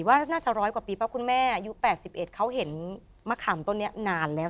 ว่าน่าจะร้อยกว่าปีเพราะคุณแม่อายุ๘๑เขาเห็นมะขามต้นนี้นานแล้ว